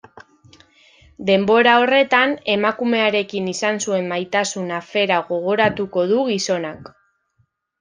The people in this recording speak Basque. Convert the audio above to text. Denbora horretan, emakumearekin izan zuen maitasun afera gogoratuko du gizonak.